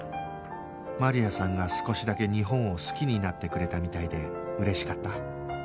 マリアさんが少しだけ日本を好きになってくれたみたいで嬉しかった